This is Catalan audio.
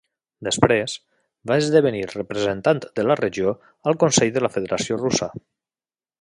Després, va esdevenir representant de la regió al Consell de la Federació Russa.